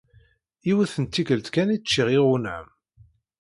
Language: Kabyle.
Yiwet n tikkelt kan i ččiɣ iɣunam.